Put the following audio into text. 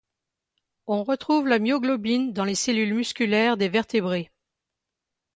On retrouve la myoglobine dans les cellules musculaires des vertébrés.